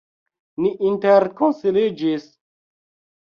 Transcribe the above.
Ni interkonsiliĝis.